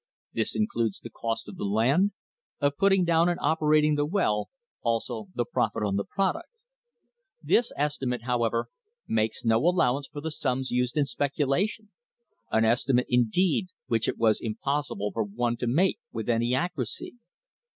This includes the cost of the land, of putting down and oper ating the well, also the profit on the product. This estimate, however, makes no allowance for the sums used in specula tion an estimate, indeed, which it was impossible for one to make with any accuracy.